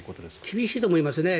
厳しいと思いますね。